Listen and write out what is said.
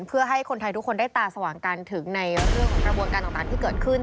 เพื่อให้คนไทยทุกคนได้ตาสว่างกันถึงในเรื่องของกระบวนการต่างที่เกิดขึ้น